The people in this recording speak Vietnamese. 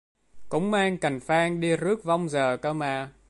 cũng mang cành phan đi rước vong giờ cơ mà